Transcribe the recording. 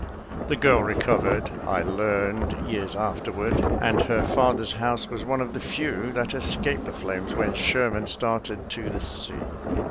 The girl recovered, I learned years afterward, and her father's house was one of the few that escaped the flames when Sherman started to the sea.